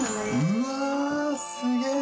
うわすげえ。